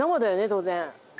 当然。